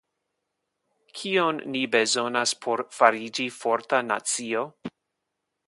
Kion ni bezonas por fariĝi forta nacio?